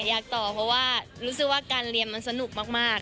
อยากต่อเพราะว่ารู้สึกว่าการเรียนมันสนุกมาก